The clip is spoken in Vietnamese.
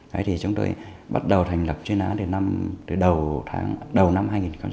thế thì chúng tôi bắt đầu thành lập chuyên án từ đầu năm hai nghìn một mươi bảy